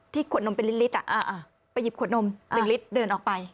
ขวดนมเป็นลิตรไปหยิบขวดนม๑ลิตรเดินออกไป